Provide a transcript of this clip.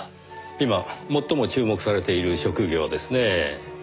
今最も注目されている職業ですねぇ。